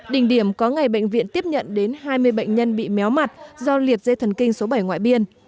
đỉnh điểm có ngày bệnh viện tiếp nhận đến hai mươi bệnh nhân bị méo mặt do liệt dây thần kinh số bảy ngoại biên